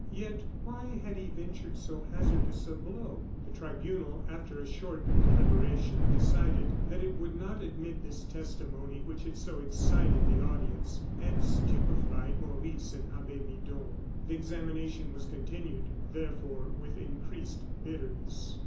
Yet, why had he ventured so hazardous a blow? The tribunal, after a short deliberation, decided that it would not admit this testimony which had so excited the audience, and stupefied Maurice and Abbe Midon. The examination was continued, therefore, with increased bitterness.